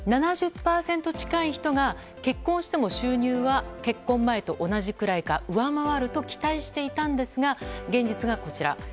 ７０％近い人が結婚しても収入は結婚前と同じくらいか上回ると期待していたんですが現実はこちら。